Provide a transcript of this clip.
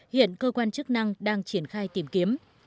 hiện cơ quan chức năng đang triển khai tìm kiếm